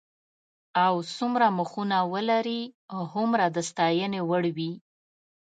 او څومره مخونه ولري هومره د ستاینې وړ وي.